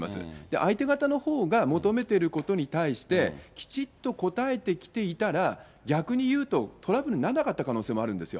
相手方のほうが求めてることに対して、きちっと応えてきていたら、逆にいうとトラブルにならなかった可能性もあるんですよ。